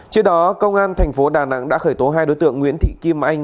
trước đó công an thành phố đà nẵng đã khởi tố hai đối tượng nguyễn thị kim anh